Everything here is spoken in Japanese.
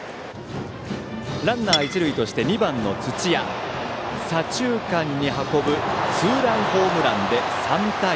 ランナー、一塁として２番の土屋は左中間に運ぶツーランホームランで３対１。